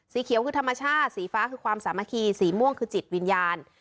เขียวคือธรรมชาติสีฟ้าคือความสามัคคีสีม่วงคือจิตวิญญาณ